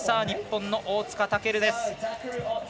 日本の大塚健です。